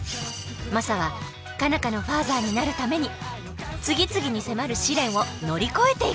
マサは佳奈花のファーザーになるために次々に迫る試練を乗り越えていく。